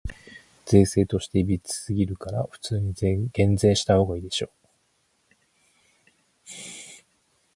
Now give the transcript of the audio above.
税制として歪すぎるから、普通に減税したほうがいいでしょ。